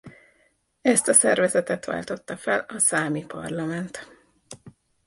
Ezt a szervezetet váltotta fel a számi parlament.